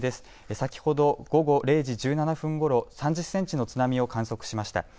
先ほど午後０時１７分ごろ３０センチの津波を観測しました。